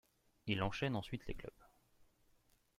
Il enchaîne ensuite les clubs.